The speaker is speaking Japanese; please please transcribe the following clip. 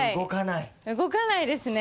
動かないですね。